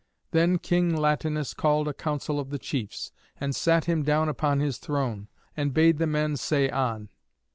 Then King Latinus called a council of the chiefs, and sat him down upon his throne, and bade the men say on.